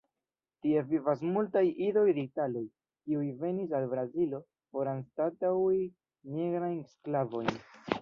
Tie vivas multaj idoj de italoj, kiuj venis al Brazilo por anstataŭi nigrajn sklavojn.